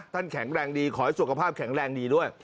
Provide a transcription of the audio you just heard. แข็งแรงดีขอให้สุขภาพแข็งแรงดีด้วย